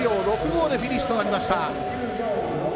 ５９秒６５でフィニッシュとなりました。